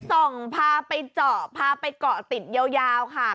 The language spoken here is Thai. พาไปเจาะพาไปเกาะติดยาวค่ะ